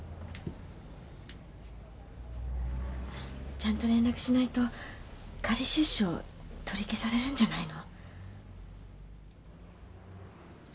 ちゃんと連絡しないと仮出所取り消されるんじゃないの？